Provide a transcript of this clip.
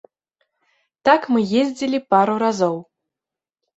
Так мы ездзілі пару разоў.